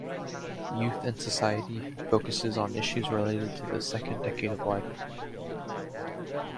"Youth and Society" focuses on issues related to the second decade of life.